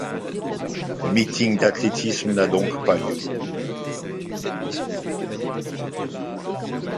Le meeting d'athlétisme n'a donc pas lieu.